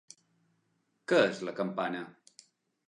Què és la campana?